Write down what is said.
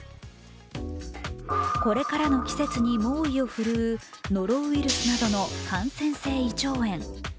これからの季節に猛威を振るうノロウイルスなどの感染性胃腸炎。